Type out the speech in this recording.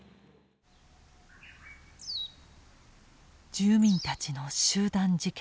住民たちの集団自決。